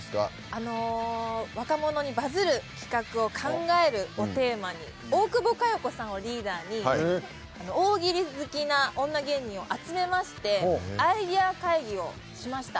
あの「若者にバズる企画を考える」をテーマに大久保佳代子さんをリーダーに大喜利好きな女芸人を集めましてアイデア会議をしました。